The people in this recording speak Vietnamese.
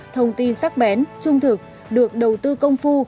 thông tin sắc bén trung thực được đầu tư công phu